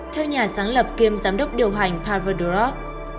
theo nhà sáng lập kiêm giám đốc điều hành paverdorov